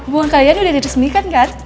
buang kalian udah diresmikan kan